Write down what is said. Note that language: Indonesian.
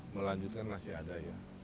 melanjutkan masih ada ya